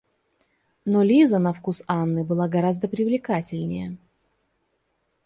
Но Лиза на вкус Анны была гораздо привлекательнее.